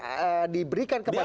gak perlu diberikan kepada